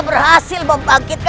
mahesal dan jengkelis